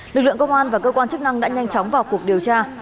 lực lượng công an và cơ quan chức năng đã nhanh chóng vào cuộc điều tra